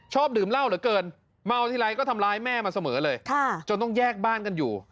ชอบดื่มเหล้าเหลือเกินเมาทีไรก็ทำร้ายแม่มาเสมอเลยจนต้องแยกบ้านกันอยู่